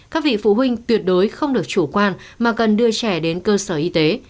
các vị phụ huynh tuyệt đối không được chủ quan mà cần đưa trẻ đến cơ sở y tế